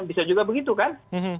bisa juga begitu kan